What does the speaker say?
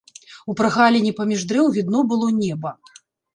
У прагаліне паміж дрэў відно было неба.